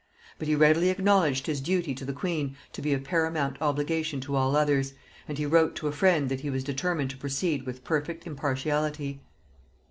But he readily acknowledged his duty to the queen to be a paramount obligation to all others, and he wrote to a friend that he was determined to proceed with perfect impartiality.